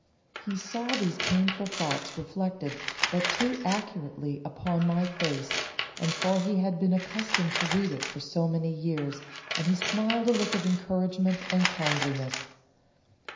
He saw these painful thoughts reflected but too accurately upon my face, for he had been accustomed to read it for so many years, and he smiled a look of encouragement and kindliness.